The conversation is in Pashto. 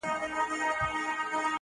په موسكا او په تعظيم ورته ټگان سول!.